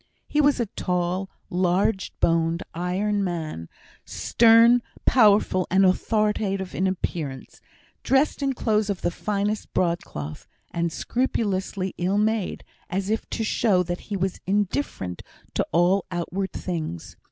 He was a tall, large boned, iron man; stern, powerful, and authoritative in appearance; dressed in clothes of the finest broadcloth, and scrupulously ill made, as if to show that he was indifferent to all outward things.